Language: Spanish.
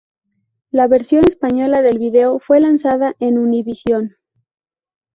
La versión española del vídeo fue lanzada en Univision.